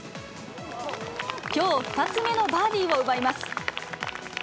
きょう２つ目のバーディーを奪います。